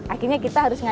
akhirnya kita harus ngajak